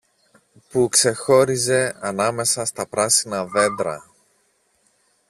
που ξεχώριζε ανάμεσα στα πράσινα δέντρα.